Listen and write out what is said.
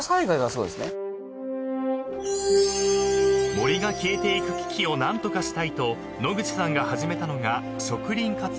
［森が消えていく危機を何とかしたいと野口さんが始めたのが植林活動］